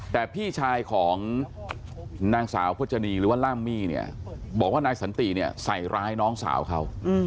แต่พี่ชายของนางสาวพจนีหรือว่าล่ามมี่เนี่ยบอกว่านายสันติเนี่ยใส่ร้ายน้องสาวเขา